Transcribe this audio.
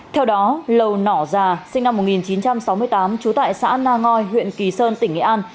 theo đó lầu nỏ già sinh năm một nghìn chín trăm sáu mươi tám trú tại xã na ngoi huyện kỳ sơn tỉnh nghệ an